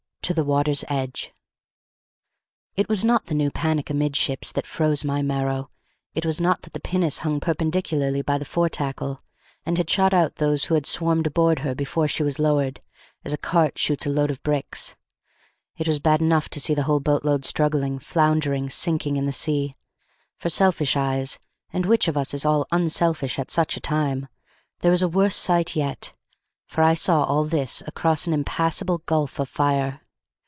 TO THE WATER'S EDGE It was not the new panic amidships that froze my marrow; it was not that the pinnace hung perpendicularly by the fore tackle, and had shot out those who had swarmed aboard her before she was lowered, as a cart shoots a load of bricks. It was bad enough to see the whole boat load struggling, floundering, sinking in the sea; for selfish eyes (and which of us is all unselfish at such a time?) there was a worse sight yet; for I saw all this across an impassable gulf of fire.